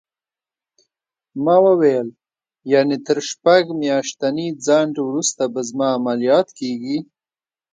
ما وویل: یعنې تر شپږ میاشتني ځنډ وروسته به زما عملیات کېږي؟